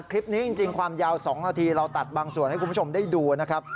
คลิปนี้จริงความยาว๒นาทีเราตัดบางส่วนให้คุณผู้ชมได้ดูนะครับ